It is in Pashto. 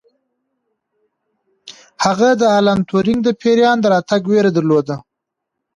هغه د الن ټورینګ د پیریان د راتګ ویره درلوده